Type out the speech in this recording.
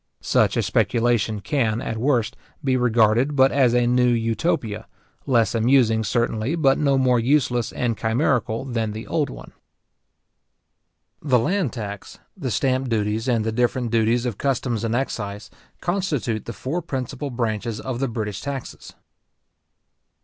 Such a speculation, can, at worst, be regarded but as a new Utopia, less amusing, certainly, but no more useless and chimerical than the old one. The land tax, the stamp duties, and the different duties of customs and excise, constitute the four principal branches of the British taxes.